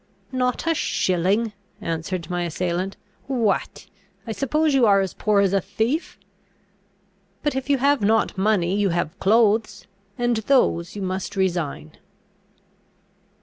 "Not a shilling!" answered my assailant, "what, I suppose you are as poor as a thief? But, if you have not money, you have clothes, and those you must resign."